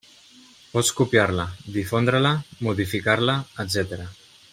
Pots copiar-la, difondre-la, modificar-la, etcètera.